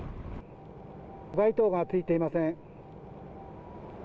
街灯がついていません。